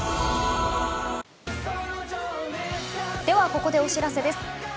ではここでお知らせです。